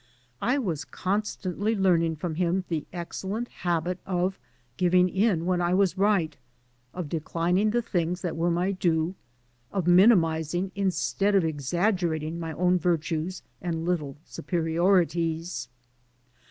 I was constantly learning from him the excellent habit of giving in when I was right, of declining the things that were my due, of minimizing instead of exaggerating my own virtues and little superiorities.